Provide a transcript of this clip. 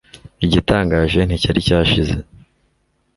Igitangaje nticyari cyashize